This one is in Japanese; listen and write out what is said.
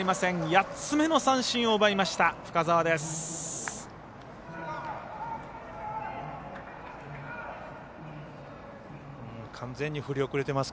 ８つ目の三振を奪いました深沢です。